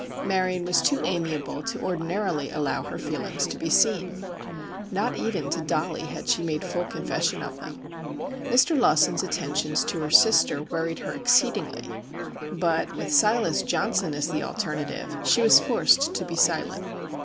Marion was too amiable to ordinarily allow her feelings to be seen. Not even to Dollie had she made full confession of them. Mr. Lawson's attentions to her sister worried her exceedingly—but with Silas Johnson as the alternative, she was forced to be silent.